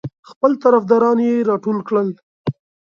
خپل طرفداران یې راټول کړل.